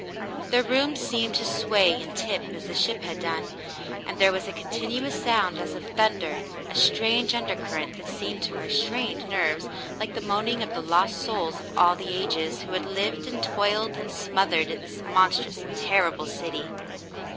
The room seemed to sway and tip as the ship had done, and there was a continuous sound as of thunder, a strange undercurrent that seemed to her strained nerves like the 265 266 The Mountain Girl moaning of the lost souls of all the ages, who had lived and toiled and smothered in this monstrous and terrible city.